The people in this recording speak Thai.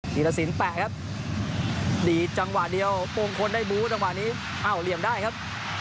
ธีรสินแปะครับดีดจังหวะเดียวมงคลได้บูธจังหวะนี้อ้าวเหลี่ยมได้ครับ